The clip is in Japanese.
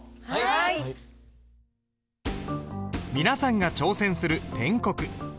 皆さんが挑戦する篆刻。